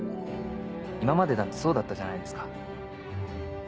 今までだってそうだったじゃないですか。